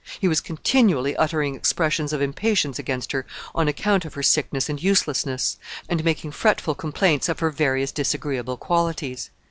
He was continually uttering expressions of impatience against her on account of her sickness and uselessness, and making fretful complaints of her various disagreeable qualities.